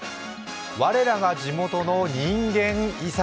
「我らが地元の人間遺産」。